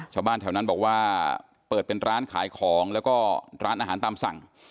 ชาวบ้านแถวนั้นบอกว่าเปิดเป็นร้านขายของแล้วก็ร้านอาหารตามสั่ง